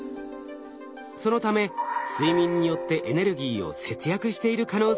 そのため睡眠によってエネルギーを節約している可能性があるのです。